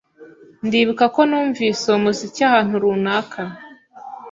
Ndibuka ko numvise uwo muziki ahantu runaka.